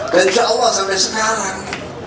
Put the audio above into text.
dan insya allah sampai sekarang